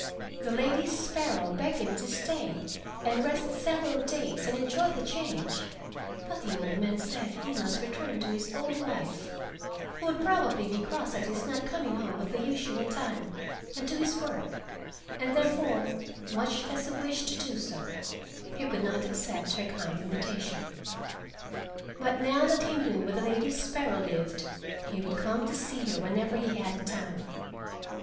The Lady Sparrow begged him to stay and rest several days and enjoy the change, but the old man said he must return to his old wife—who would probably be cross at his not coming home at the usual time—and to his work, and there fore, much as he wished to do so, he could not accept her kind invitation. But now that he knew where the Lady Sparrow lived he would come to see her whenever he had the time.